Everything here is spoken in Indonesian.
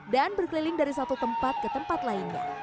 dan berkeliling dari satu tempat ke tempat lainnya